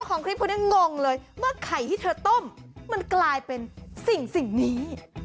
ว่าของที่พูดนี้งงเลยว่าไข่ที่ท่อต้มมันกลายเป็นอีกสิ่งนี้